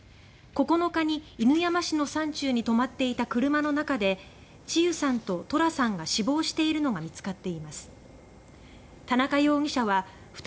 ９日に犬山市の山中に止まっていた車の中で千結さんと十楽さんが死亡しているのが見つかっています。